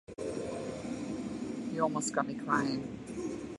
You almost got me crying.